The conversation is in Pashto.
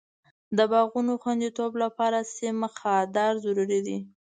د باغونو خوندیتوب لپاره سیم خاردار ضرور دی.